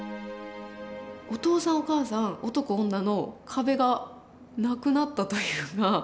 お父さんお母さん男女の壁がなくなったというか。